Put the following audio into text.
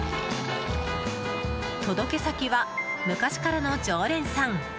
届け先は、昔からの常連さん。